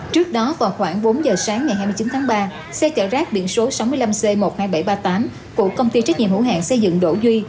trước đó vào khoảng bốn giờ sáng ngày hai mươi chín tháng ba xe chở rác biển số sáu mươi năm c một mươi hai nghìn bảy trăm ba mươi tám của công ty trách nhiệm hữu hạng xây dựng đỗ duy